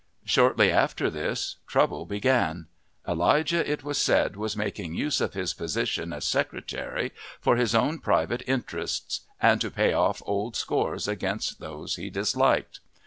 Shortly after this trouble began; Elijah, it was said, was making use of his position as secretary for his own private interests and to pay off old scores against those he disliked.